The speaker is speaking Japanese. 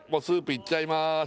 スープいっちゃいます